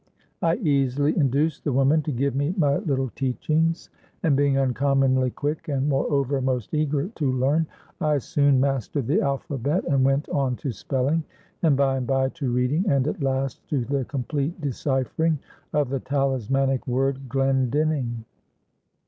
I easily induced the woman to give me my little teachings, and being uncommonly quick, and moreover, most eager to learn, I soon mastered the alphabet, and went on to spelling, and by and by to reading, and at last to the complete deciphering of the talismanic word Glendinning.